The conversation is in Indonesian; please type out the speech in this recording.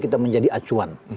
kita boleh menjadi acuan